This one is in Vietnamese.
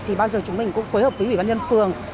thì bao giờ chúng mình cũng phối hợp với bỉ bán nhân phường